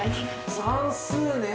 算数ね。